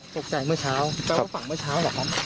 เมื่อเช้าแปลว่าฝั่งเมื่อเช้าเหรอครับ